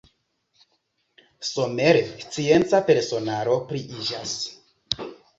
Somere scienca personaro pliiĝas.